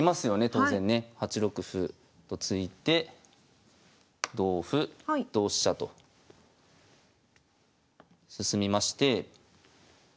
当然ね８六歩と突いて同歩同飛車と進みまして。